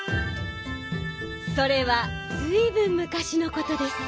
それはずいぶんむかしのことです。